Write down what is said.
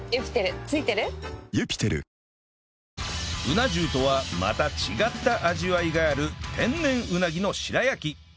うな重とはまた違った味わいがある天然うなぎの白焼き